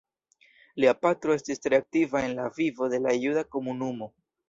Lia patro estis tre aktiva en la vivo de la juda komunumo.